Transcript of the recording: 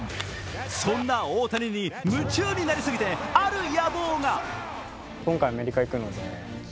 そんな大谷に夢中になりすぎて、ある野望が。